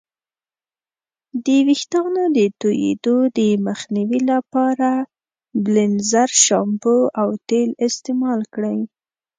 د ویښتانو د توییدو د مخنیوي لپاره بیلینزر شامپو او تیل استعمال کړئ.